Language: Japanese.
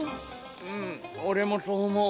うん俺もそう思う。